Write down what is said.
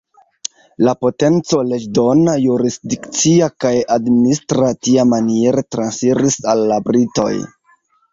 La potenco leĝdona, jurisdikcia kaj administra tiamaniere transiris al la britoj.